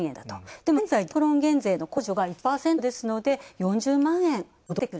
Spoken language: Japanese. でも現在住宅ローン減税の控除が１％ですので、４０万円戻ってくる。